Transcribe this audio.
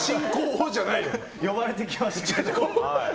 呼ばれてきました。